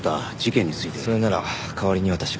それなら代わりに私が。